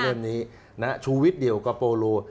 เล่มนี้นะครับชุวิตเดี่ยวกับโปโล